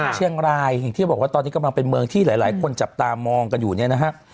เชียงรายอย่างที่บอกว่าตอนนี้กำลังเป็นเมืองที่หลายคนจับตามองกันอยู่เนี่ยนะฮะ